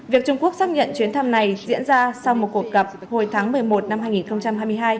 việc trung quốc xác nhận chuyến thăm này diễn ra sau một cuộc gặp hồi tháng một mươi một năm hai nghìn hai mươi hai